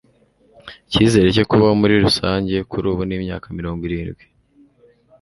Icyizere cyo kubaho muri rusange kuri ubu ni imyaka mirongwirindwi